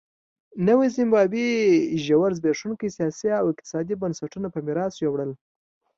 نوې زیمبابوې ژور زبېښونکي سیاسي او اقتصادي بنسټونه په میراث یووړل.